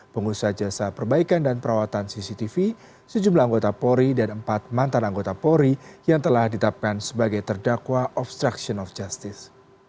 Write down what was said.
pengusaha jasa perbaikan dan perawatan cctv sejumlah anggota polri dan empat mantan anggota polri yang telah ditetapkan sebagai terdakwa obstruction of justice